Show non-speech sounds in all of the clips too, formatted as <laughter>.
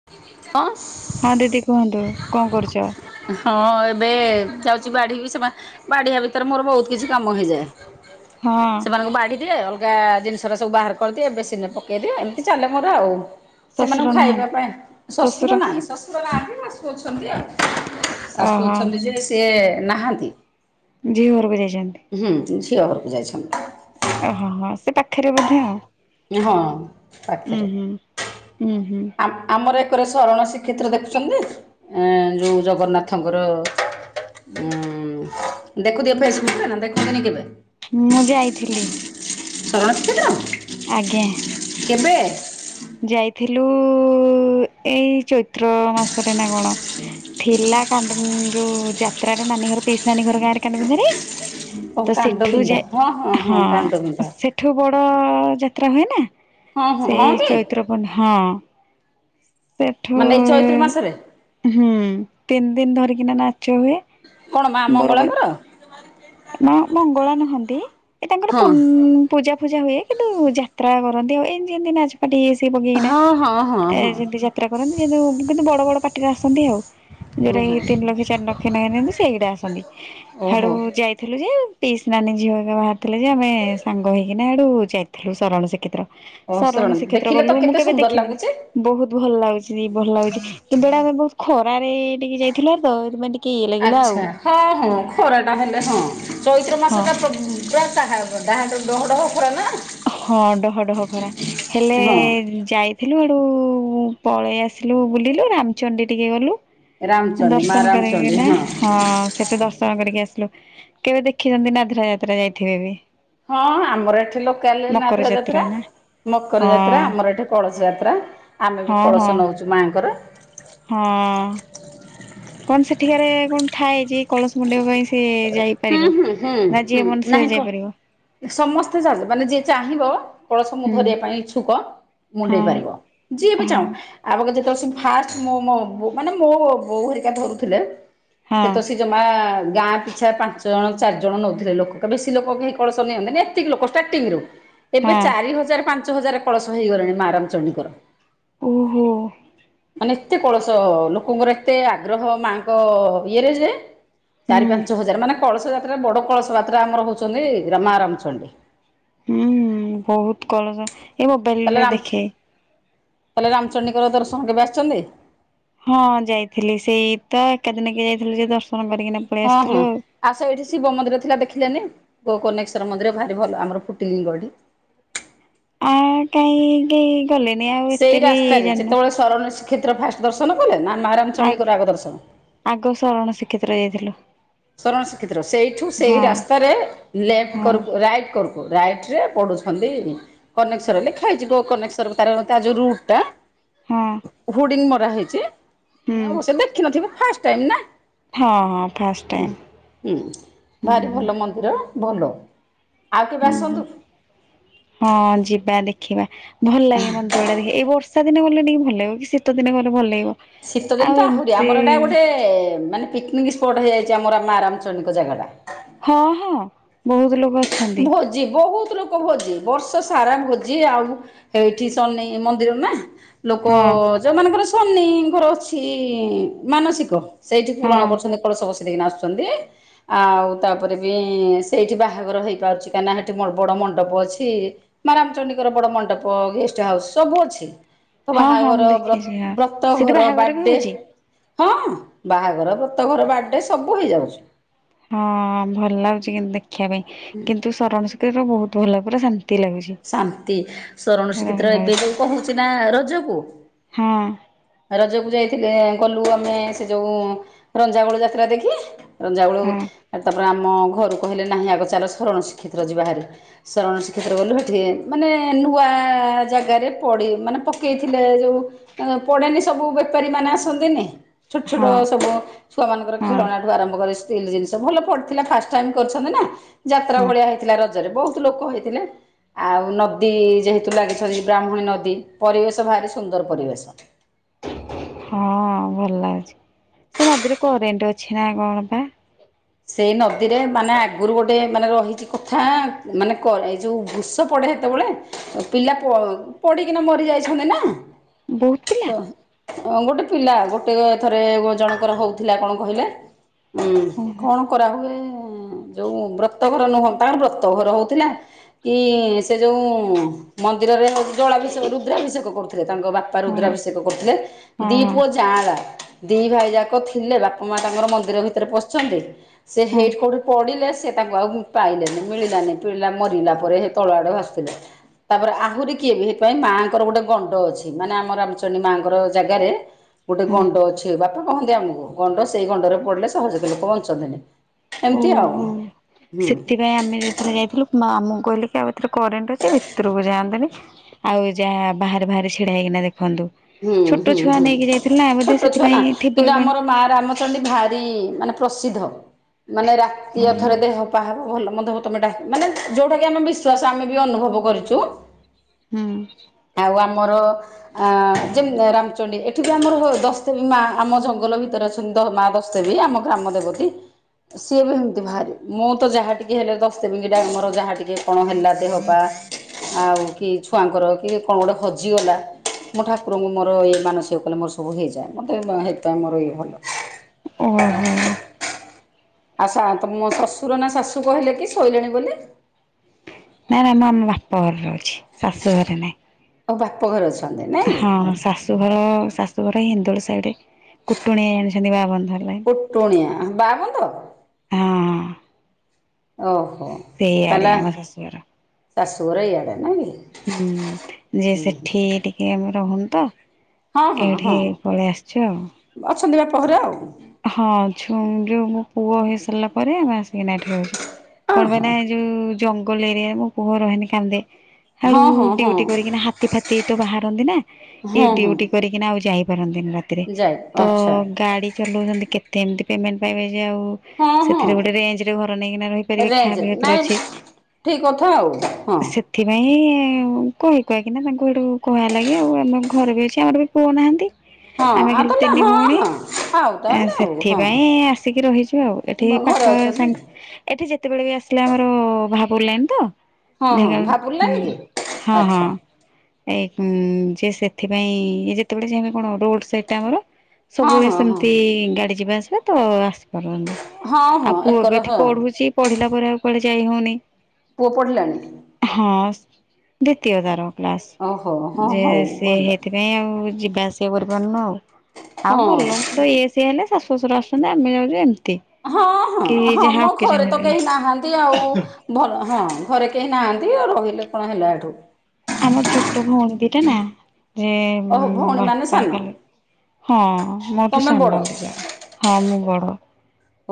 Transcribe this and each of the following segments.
<unintelligible> ହଁ ଦିଦି କୁହନ୍ତୁ କଁ କରୁଚ। ହଁ ଏବେ ଯାଉଚି ବଢ଼ିବି ସେମା ବାଢିବା ଭିତରେ ମୋରୋ ବୋହୁତ କିଛି କାମ ହେଇଯାଏ ହଁ ସେମାନଙ୍କୁ ବାଡି ଦିଏ ଅଲ୍ ଗା ଜିନିଷରା ସବୁ ବାହାର କରିଦିଏ ବେସିନରେ ପକେଇଦିଏ ଏମିତି ଚାଲେ ମୋରୋ ଆଉ। ଶ୍ୱଶୁର ସେମାନଙ୍କୁ ଖାଇବା ନାହାନ୍ତି ପାଇଁ ଶଶୁର ଶ୍ୱଶୁର ନାଇଁ ଶଶୁର ନାହାଁନ୍ତି ଶାଶୁ ଅଛନ୍ତି ଆଉ। ଶାଶୁ ଓହୋ ଅଛନ୍ତି ଯେ ସିଏ ନାହାନ୍ତି। ଝିଅ ଘରକୁ ଯାଇଚନ୍ତି। ହୁଁ ଝିଅ ଘରୁକୁ ଯାଇଛନ୍ ଏ ହଁ ହଁ ସେ ପାଖେରେ ବୋଧେ ଆଉ। ହଁ ଉୁଁ ପାଖେରେ ହୁଁ ହୁଁ ଆ ଆମର ଏକରେ ଶରଣ ଶ୍ରୀକ୍ଷେତ୍ର ଦେଖୁଛନ୍ତି ଏ ଯେଉଁ ଜଗନ୍ନାଥଙ୍କର ଉଁ ଦେଖୁଥେ ଫେସବୁକ୍ ରେ ନା ଦେଖନ୍ତିନି କେବେ ମୁଁ ଯାଇଥିଲି ଶରଣ ଶ୍ରୀକ୍ଷେତ୍ର ଆଜ୍ଞା କେବେ ଯାଇଥିଲୁ ଉ ଏଇ ଚୈତ୍ର ମାସରେ ନା କଣ ଥିଲା କାନ୍ଦ ଯୋଉ ଯାତ୍ରା ରେ ନାନୀ ଘର ପିଉସୀ ନାନୀ ଘର ଗାଁରେ କାନ ବିନ୍ଧାରେ ଓ ତ କାଣ୍ଡ ସେଠୁ ବିନ୍ଧା ହଁ ଯାଇ ହଁ କାଣ୍ଡ ବିନ୍ଧା ସେ ଠୁ ବଡ଼ ଯାତ୍ରା ହୁଏ ନା ହଁ ହଁ ହଁ ବି ଚିତ୍ରପଣ୍ଡା ହଁ ସେଠୁ ମାନେ ଏଇ ଚୈତ୍ର ମାସରେ ହୁଁ ତିନି ଦିନ ଧରିକିନା ନାଚ ହୁଏ କଣ ମା ବଡ ବଡ ମଙ୍ଗଳାଙ୍କର ମା ମଙ୍ଗଳା ନାହାନ୍ତି ଏ ତାଙ୍କର ହଁ ପୁଉନ୍ ପୂଜା ଫୁଜା ହୁଏ କିନ୍ତୁ ଯାତ୍ରା କରନ୍ତି ଆଉ ଏମତି ଏମିତି ନାଚ ପାଟି ସେ ପକେଇକିନା ହଁ ହଁ ହଁ ଏ ହଁ ଯେମିତି ଯାତ୍ରା କରନ୍ତି ଯେ କିନ୍ତୁ ବଡ ବଡ ପାଟିରେ ଆସନ୍ତି ଆଉ ଯୋଉଟା କି ଓହୋ ଏଇ ତିନି ଲକ୍ଷ ଚାରି ଲକ୍ଷ ନଉ ନିଅନ୍ତି ସେଇଟା ଆସନ୍ତି ହାଡୁ ଓହୋ ଯାଇ ଥିଲୁ ଯେ ପିଉସୀ ନାନୀ ଝିଅ ଘରିକା ବାହାରିଥିଲେ ଯେ ଆମେ ସାଙ୍ଗ ହୋଇକିନା ଆଡ଼ୁ ଯାଇଥିଲୁ ଶରଣ ଶିକ୍ଷେତ୍ର ଓ ଶରଣ ଶୁଣନ୍ତୁ ଶ୍ରୀକ୍ଷେତ୍ର ଦେଖିଲେ ଗଲୁ ତ ମୁଁ କେତେ କେବେ ସୁନ୍ଦର ଦେଖିନିି ଲାଗୁଛି ବହୁତ ଭଲ ଲାଗୁଛି ଭଲ ଲାଗୁଛି କିନ୍ତୁ ଏଇଟା ଆମେ ବହୁତ ଖରାରେ ଟିକେ ଯାଇଥିଲ ତ ସେଥିପାଇ ଟି ଆଚ୍ଛା ହଁ ହଁ ଖରାଟା ହେଲେ ହଁ ଚୈତ୍ର ହଁ ମାସଟା ଉ ପୁରା ଟାହା ଡ଼ାହା ଡହଡହ ଖରା ନା ହଁ ଡହ ଡହ ଖରା ହେଲେ ହଁ ଯାଇ ଥିଲୁ ଏଡ଼ୁ ପଳେଇ ଆସିଲୁ ବୁଲିଲୁ ରାମଚଣ୍ଡୀ ଟିକେ ଗଲୁ ରାମଚଣ୍ଡୀ ମା ଦର୍ଶନ ରାମଚଣ୍ଡୀ କରିକିନା ହଁ ସେଠ ତୋ ଦର୍ଶନ କରିକି ଆସିଲୁ କେବେ ଦେଖିନନ୍ତି ନାଧରା ଯାତ୍ରା ଯାଇଥିବେ ବି ହଁ ଆମର ଏଠି ଲୋକ ମକର କାଲିନାଧୀର ଯାତ୍ରା ନା ମକର ଯାତ୍ରା ହଁ ଆମର ଏଠି କଳସ ଯାତ୍ରା ଆମେ ବି ହଁ ହଁ କଳସ ନଉଛୁ। ମାଙ୍କର। ହଁ। କଣ ସେଠିକାରେ କଣ ଥାଏ ଯେ କଳସ ମୁଣ୍ଡେଇବା ପାଇଁ ସିଏ ହୁଁ ଯାଇପାରିବ ହୁଁ ହୁଁ ନା ହୁଁ ଯିଏ ମନ ସିଏ ନାହିଁ କ ଯାଇପାରିବ? ସମସ୍ତେ ଯାଉଚ ମାନେ ଯିଏ ଚାହିଁବ କଳସ ମୁ ହୁଁ ଧରିବା ପାଇଁ ଇଚ୍ଛୁକ ହଁ ମୁଣ୍ଡେଇ ପାରିବ। ଯିଏ ବି ହଁ ଚାହୁଁ। ଆ ଗକା ଯେତେବେଳେସି ଫାଷ୍ଟ ମୋ ମୋ ବୋଉ ମାନେ ମୋ ବୋଉ ବୋଉ ହେରିକା ଧରୁଥିଲେ ହଁ। ସେତବେଳେ ଜମା ଗାଁ ପି ଚ୍ଛା ପାଞ୍ଚ ଜଣ ଚାରି ଜଣ ନଉଥିଲେ ଲୋକ ବେଶୀ ଲୋକ କେହି କଳସ ନିଅନ୍ତିନି ଏତିକି ଲୋକ ଷ୍ଟାର୍ଟିଂ ରୁ। ଏବେ ହଁ ଚାରି ହଜାର ପାଞ୍ଚ ହଜାର କଳସ ହେଇଗଲେଣି ମା ରାମଚଣ୍ଡୀଙ୍କର। ଓହୋ। ମାନେ ଏତେ କଳସ ଲୋକଙ୍କର ଏତେ ଆଗ୍ରହ ମାଙ୍କ ଇଏରେ ଯେ ହୁଁ ଚାରି ପାଞ୍ଚ ହଜାର ମାନେ କଳସ ଯାତ୍ରା ବଡ କଳସ ଯାତ୍ରା ଆମର ହଉଛନ୍ତି ରା ମା ଆ ରାମଚଣ୍ଡୀ। ହୁଁ ବହୁତ କଲସ ଏ ମୋବାଇଲରେ ଦେଖେ। ତାଲେ ରାମଚଣ୍ଡୀଙ୍କର ଦର୍ଶନ କେବେ ଆସିଛନ୍ତି? ହଁ ଯାଇଥିଲି ସେଇ ତ ଏକା ଦିନକେ ଯାଇଥିଲୁ ସେ ଦର୍ଶନ କରିକିନା ପଳେଇ ହଁ-ହଁ। ଆସିଥିଲୁ ଆଉ। ଆସ ଏଠି ଶିବ ମନ୍ଦିର ଥିଲା ଦେଖିଲୋନି। ଗୋ କନେଶ୍ଵର ମନ୍ଦିର ଭାରି ଭଲ ଆମର ଫୁଟିଲିଙ୍ଗ ଏଠି। ଆ କାହିଁକି ଗଲେନି ଆଉ ସେଇ ଏତେ ବି ରାସ୍ତାରେ ଜାନିନୁ ଯେତେବେଳେ ଶରଣ ଶ୍ରୀକ୍ଷେତ୍ର ଫାଷ୍ଟ ଦର୍ଶନ କଲେ ନା ମା ଆ ରାମଚଣ୍ଡୀଙ୍କର ଆଗ ଦର୍ଶନ? ଆଗ ସରଣ ଶ୍ରୀକ୍ଷେତ୍ର ଯାଇଥିଲୁ। ଶରଣ ଶ୍ରୀକ୍ଷେତ୍ର ସେଇଠୁ ହଁ ସେଇ ରାସ୍ତାରେ ଲେଫ୍ଟ ହଁ କରକୁ ରାଇଟ୍ କରୁ ରାଇଟ୍ରେ ପଡ଼ୁଛନ୍ତି। କନେକ୍ସର୍ ଲେଖା ହେଇଛି ଗୋନେକ୍ସ୍ୱର ତାର ଯୋଉ ରୁଟ୍ ଟା ହଁ। ହୁଡିଙ୍ଗ ମରା ହେଇଛି ହୁଁ। ଆଉ ସେ ଦେଖିନଥିବେ ଫାଷ୍ଟ ଟାଇମ୍ ନା। ହଁ ଅ। ହିଁ ହୁଁ ଭାରି ହୁଁ ଭଲ ମନ୍ଦିର ଭଲ ଆଉ କେବେ ହୁଁ ହୁଁ। ଆସନ୍ତୁ? ହଁ ଯିବା ଦେଖିବା। ଭଲ ଲାଗେ ମନ୍ଦିର ଟା ଦେଖେ ଏଇ ବର୍ଷା ଦିନ ଗଲେ ଟିକେ ଭଲ ଲାଗିବ କି ଶୀତ ଦିନ ଗଲେ ଭଲ ଲାଗିବ। ଶୀତଦିନ ଆଉ ତ ଆହୁରି ଏମିତି ଆମର ଏଇଟା ଗୋଟେ ମାନେ ପିକ୍ନିକ ସ୍ପଟ୍ ହେଇଯାଇଛି ଆମର ମା ରାମଚଣ୍ଡୀ ଙ୍କ ଜାଗା ଟା। ହଁ ହଁ ବହୁତ ଲୋକ ଅଛନ୍ତି। ଭୋଜି ବହୁତ ଲୋକ ଭୋଜି ବର୍ଷ ସାରା ଭୋଜି ଆଉ ଏଇଠି ସନେଇ ମନ୍ଦିର ନା। ଲୋକ ହଁ ଯୋଉମାନଙ୍କର ସନିଙ୍କର ଅଛି ମାନସିକ ସେଇଠି ପୂରଣ ହଁ। କରୁଛନ୍ତି। କଳସ ବସେଇ ଦେଇକିନା ଆସୁଛନ୍ତି। ଆଉ ତାପରେ ବି ସେଇଠି ବାହାଘର ହେଇ ପାରୁଛି କାହିଁନା ସେଠି ବଡ ମଣ୍ଡପ ଅଛି। ମା ରାମଚଣ୍ଡୀଙ୍କର ବଡ ମଣ୍ଡପ ଗେଷ୍ଟ ହାଉସ ସବୁ ଅଛି। ତ ହଁ ହଁ ମୁଁ ବାହାଘର ବ ଦେଖିଛି ହଁ ବ୍ରତ ସେଠି ଘର ବାହାଘର ବି ବାର୍ଥଡେ। ହଉଛି। ହଁ ବାହାଘର ବ୍ରତ ଘର ବାର୍ଥଡେ ସବୁ ହେଇଯାଉଛି। ହଁ ଭଲ ଲାଗୁଛି କିନ୍ତୁ ଦେଖିବା ପାଇଁ କିନ୍ତୁ ଶରଣ ଶୁତୀ ବହୁତ ଭଲ ପୁରା ଶାନ୍ତି ଲାଗୁଛି। ଶାନ୍ତି ଶରଣ ପୁରା ଭଲ ଶ୍ରୀକ୍ଷତ୍ର ଏବେ ଲାଗୁଛି। ଯୋଉ କହୁଛି ନା ରଜକୁ। ହଁ। ରଜକୁ ଯାଇଥିଲେ ଗଲୁ ଆମେ ସେ ଯୋଉ ରଞ୍ଜାଗୋଳ ଯାତ୍ରା ଦେଖି। ରଞ୍ଜାବେଳୁ ହଁ ତାପରେ ଆମ ଘରୁ କହିଲେ ନାହିଁ ଆଗଚାଲ ସରଣ ଶ୍ରୀଖେତ୍ର ଯିବା ହାରି। ଶରଣ ଶ୍ରୀକ୍ଷେତ୍ର କୁଗଲୁ ସେଠି ମାନେ ନୂଆ ଜାଗାରେ ପଡ଼ି ମାନେ ପକେଇଥିଲେ ଯୋ ଉ। <unintelligible> ପଡ଼େନି ସବୁ ବେପାରୀମାନେ ଆସନ୍ତିନି ଛୋଟ ଛୋଟ ହଁ ସବୁ ଛୁଆମାନଙ୍କର ହଁ ଖେଳନାଠୁ ଆରମ୍ଭ କରି ଷ୍ଟିଲ ଜିନିଷ ଭଲପଡ଼ିଥିଲା ଫାଷ୍ଟ୍ ଟାଇମ କରିଛନ୍ତି ନା। ଯାତ୍ରା ହଁ ଭଳିଆ ହେଇଥିଲା ରଜରେ ବହୁତ ଲୋକ ହେଇଥିଲେ। ଆଉ ନଦୀ ଯେହେତୁ ଲାଗିଛନ୍ତି ବ୍ରାହ୍ମଣୀ ନଦୀ ପରିବେଶ ଭାରି ସୁନ୍ଦର ପରିବେଶ। ହଁ ଭଲ ଲାଗୁଛି ସେ ନଦୀରେ କରେଣ୍ଟ ଅଛି ନା କଣ ବା? ସେଇ ନଦୀରେ ମାନେ ଆଗରୁ ଗୋଟେ ମାନେ ରହିଛି କଥା ମାନେ କ ଏଇ ଯେଉଁ ବୃଷ ପଡ଼େ ହେତେବେଳେ ପିଲା ପ ପଡିକିନା ମରି ଯାଇଛନ୍ତି ନା। ବହୁତ ପିଲା। ତ ଗୋଟେ ପିଲା ଗୋଟେଥରେ ଜଣଙ୍କର ହଉଥିଲା କଣ କହିଲେ? ଉୁଁ ହଁ କଣ କରାହୁଏ ଯୋଉ ବ୍ରତଘର ନୁହଁ ତାର ବ୍ରତ ଘର ହଉଥିଲା। କି ସେ ଯେଉଁ ମନ୍ଦିରରେ ହେଉ ଜଳାଭିଷେକ ରୁଦ୍ରାଭିଷେକ କରୁଥିଲେ ତାଙ୍କ ବା ହଁ ରୁଦ୍ରାଭିଷେକ କରୁଥିଲେ ହଁ ଦୀପୁଅ ଯାଆଁଳା। ଦିଇ ଭାଇ ଯାକ ଥିଲେ ବାପା ମା ତାଙ୍କର ମନ୍ଦିର ଭିତରେ ପଶଛନ୍ତି ସେ ହଁ ହେଇଠି କେଉଁଠି ପଡିଲେ ସେ ତାଙ୍କୁ ଆଉ ପାଇଲେନି ମିଳିଲାନି ପିଲା ମରିଲା ପରେ ସେ ତଳ ଆଡେ ଭାସୁଥିଲା। ତାପରେ ଆହୁରି କିଏବେ ହେଇଥିପାଇଁ ମାଆଙ୍କର ଗୋଟେ ଗଣ୍ଡ ଅଛି ମାନେ ଆମର ରାମଚଣ୍ଡୀ ମାଆଙ୍କର ଜାଗାରେ ଗୋଟେ ହଁ ଗଣ୍ଡ ଅଛି। ବାପା କହନ୍ତି ଆମକୁ ଗଣ୍ଡ ସେଇ ଗଣ୍ଡରେ ପଡିଲେ ସହଜ ରେ ଲୋକ ଏମିତି ଓହୋ। ଆଉ। ହୁଁ ସେଥିପାଇଁ ଆମେ ଯୋଉ ଥରେ ଯାଇଥିଲୁ ମା ଆମକୁ କହିଲି କି ଆଉ ଭିତରେ କରେଣ୍ଟ ଅଛି ଭିତରକୁ ଯାଆନ୍ତୁନି। ଆଉ ଯାହା ବାହାରେ ବାହାରେ ଛିଡା ହେଇକିନା ଦେଖନ୍ତୁ। ହୁଁ ଛୋଟ ହୁଁ ଛୁଆ ହୁଁ ନେଇକି ଯାଇଥିଲୁ ନା ବୋଧେ ଛୋଟ ଛୁଆ ସେଥିପାଇଁ ନା ଥିବ କି କିନ୍ତୁ କଣ ଆମର ମା ରାମଚଣ୍ଡୀ ଭାରି ମାନେ ପ୍ରସିଦ୍ଧ ମାନେ ରାତି ଅଧ ରେ ଦେହ କାହାର ଭଲ ମନ୍ଦ ହବ ତମେ ଡା ମାନେ ଯୋଉଟା କି ଆମେ ବିଶ୍ୱାସ ଆମେ ବି ଅନୁଭବ କରିଛୁ। ହଁ। ଆଉ ଆମର ଅଁ। ଯେମ୍ ରାମଚଣ୍ଡୀ ଏଠି ବି ଆମର ହୋ ଦଶଦେବୀ ମା ଆମ ଜଙ୍ଗଲ ଭିତରେ ଅଛନ୍ତି ଦ ମା ଦଶଦେବୀ ଆମ ଗ୍ରାମ ଦେବତି। <inaudible> ସିଏ ବି ଏମିତି ଭାରି ମୁଁ ତ ଯାହା ଟିକେ ହେଲେ ଦଶଦେବି ଙ୍କି ଡାକେ ମୋର ଯାହା ଟିକେ। ଯେ କଣ ହେଲା ଦେହ ପା। ଆଉ କି ଛୁଆଙ୍କର କି କଣ ଗୋଟେ ହଜିଗଲା ମୋ ଠାକୁ ଠକୁର ଙ୍କୁ ମୋର ଏଇ ମାନସିକ କଲେ ମୋର ସବୁ ହେଇଯାଏ ମୋତେ ହେଇଥି ପାଇଁ ମୋର ଇଏ ଭଲ। ଓହୋ। ଆଉ ସାଆନ୍ତ ମୋ ଶ୍ୱଶୁର ନା ଶାଶୁ କହିଲେ କି ଶୋଇଲେଣି ବୋଲି। ନାଇଁ ନାଇଁ ମୁଁ ଆମ ବାପା ଘରେ ରହୁଛି ଶାଶୁ ଘରେ ନାହିଁ। ତମେ ବାପଘରେ ଅଛନ୍ତି ନାଇଁ ହଁ ଆଛା। ଶାଶୁଘର ଶାଶୁଘର ହିନ୍ଦୁୋଳ ସାଇଡରେ କୁଟୁଣିଆ ଜଣିଛନ୍ତି ବା ବନ୍ଧ। କୁଟୁଣିଆ ବା ବନ୍ଧ। ହଁ। ଓହୋ ସେଇଆଡେ ତାହେଲେ ଆ ଆମ ଶାଶୁଘର। ଶାଶୁ ଘର ଇଆଡେ ନାଇ କି। ହୁଁ ଯେ ହୁଁ ସେଠି ଟିକେ ଆମେ ରହୁନି ତ। ହଁ ହଁ ହଁ ଏଇଠି ପଳେଇ ଆସିଛୁ ଆଉ। ଅଛନ୍ତି ବାପଘରେ ଆଉ। ହଁ ଛୁ ଯୋଉ ମୋ ପୁଅ ହେଇ ସାରିଲା ପରେ ଆମେ ଆସିକିନା ଏଠି ରହୁଛି ଅ କଣ ପାଇଁ ହଁ। ନା ଏ ଯୋଉ ଜଙ୍ଗଲ ଏରିଆରେ ମୋ ପୁଅ ରହେନି କାନ୍ଦେ। ସାଡୁ ହଁ ହଁ ହଁ ଡିଉଟି କରିକିନା ହାତୀ ଫାତି ତ ବାହାରନ୍ତି ନା। ଇଏ ହଁ ହଁ ଡଡିୁଟି କରିକିନା ଆଉ ଯାଇପାରନ୍ତିନି ରାତିରେ ଯାଇ ତ ଆଚ୍ଛା ଗାଡି। ଚଲଉଛନ୍ତି କେତେ ଏମିତି ପେମେଣ୍ଟ ପାଇବେ ଯେ ଆଉ ହଁ ହଁ। ସେଥିରେ ଗୋଟେ ରେଞ୍ଜ ରେ ଘର ନେଇକିନା ରହିପାରିବେ ଖାଇବା ବି ରେଞ୍ଜରେ ହେଥିରେ ନାଇଁ ଅଛି। ଠିକ କଥା ଆଉ ହଁ। ସେଥିପାଇଁ କହି କୁହା କିନା ତାଙ୍କୁ ସେଠୁ କୁହା ହେଲଗି ଆଉ ଆମ ଘର ବି ଅଛି ଆମର ବି ପୁଅ ନାହାଁନ୍ତି। ହଁ ଆମେ ଆଉ ଖାଲି ତାହେଲେ ତିନି ହଁ ଭଉଣୀ। ହଁ ଆଉ ତାହେଲେ ହଁ ସେଥିପାଇଁ ଆସିକି ରହିଛୁ ଆଉ ଏଠି ଘରେ ପଖ ଅଛନ୍ତି। ସା ଏଠି ଯେତେ ବେଳେ ବି ଆସିଲେ ଆମର ଭହାପୁର ଲାଇନ ତ। ହଁ ହଁ ଢେଙ୍କ ହୁଁ ଭାବୁଲାନି କି ହଁ ହଁ। ଆଚ୍ଛା। ଏଇ ଯେ ସେଥିପାଇଁ ଇଏ ଯେତେ ବେଳେ ଚାହିଁବେ କଣ ରୋଡ଼ ସାଇଟା ଆମର ହଁ ସବୁବେଳେ ହଁ ହଁ ସେମିତି ଗାଡି ଜିବା ଆସିବା ତ ଆସି ପାରନ୍ତି। ହଁ ହଁ ଆଉ ପୁଅ ଏକର ବି ଏଠି ହଁ ପଢୁଛି ପଢିଲା ପରେ ଆଉ କୁଆଡେ ଯାଇ ହଉନି। ପୁଅ ପଢିଲାଣି। ହ ସ୍ ଦ୍ୱିତୀୟ ତାର ଓହୋ ହଁ ହଉ କ୍ଲାସ୍। ଭଲ ଥି ପାଇଁ ଆଉ ଯିବା ଆସିବା କରି ପାରୁନୁ ଆଉ ଆଉ ହଁ ଗଲୁନୁ। ତ ଇଏ ସିଏ ହେଲେ ଶାଶୁ ଶଶୁର ଆସୁଛନ୍ତି ଆମେ ଜାଉଛୁ ଏମିତି। ହଁ କି ହଁ ହଁ ଯାହା ମ ଅକେଜନ ଘରେ ତ ହେଲେ କେହି ନାହାନ୍ତି ଆଉ। ଭଲ ହଁ ଘରେ କେହି ନାହାନ୍ତି ଆଉ ରହିଲେ କଣ ହେଲା ହେଠୁ। ଆଉ ମୋର ଛୋଟ ଭଉଣି ଦି ଟା ନା ଯେ ଓହୋ ଭଉଣୀ ମାନେ ବାପା ସାନ ଏକାଲେ। ହଁ ମୋଠୁ ତମେ ବଡ ସାନ ଦି ଜଣ ହଁ ମୁ ବଡ।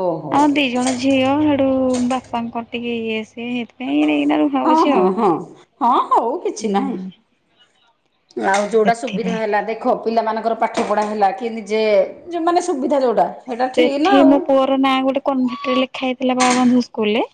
ଓ ହୋ। ଆମ ଦି ଜଣ ଝିଅ ହେଠୁ ବାପାଙ୍କର ଟିକେ ଇଏ ସିଏ ସେଇଥିପାଇଁ ଏଣେ ଏଇନା। ହଁ ହଁ ହଁ ହଁ ହଉ କିଛି ହୁଁ ନାହିଁ। ଆଉ ଯୋଉଟା ସୁବିଧା ସେଥିପାଇଁ। ହେଲା ଦେ ଦେଖ ପିଲା ମାନଙ୍କର ପାଠପଢା ହେଲା କି ନିଜେ ଯୋଉ ମାନେ ସବିଧା ଯୋଉଟା। ସେଇଟା ଠିକ ନା ସେଠି ମୋ ଆଉ ପୁଅର ନାଁ ଗୋଟେ କନଭେଣ୍ଟ ରେ ଲେଖା ହେଇଥିଲା ବା ବନ୍ଧ ସ୍କୁଲ ରେ।